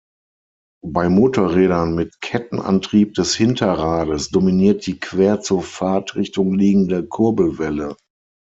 Bei Motorrädern mit Kettenantrieb des Hinterrades dominiert die quer zur Fahrtrichtung liegende Kurbelwelle.